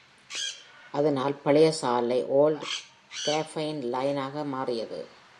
அதனால், பழைய சாலை Old Grapevine Line-ஆக மாறியது.